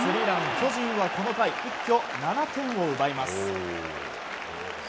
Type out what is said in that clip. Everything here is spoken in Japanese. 巨人は、この回一挙７点を奪います。